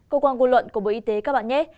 công quan quân luận của bộ y tế các bạn nhé